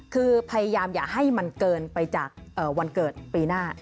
คือพยายามอย่าให้มันเกินไปจากวันเกิดปีหน้า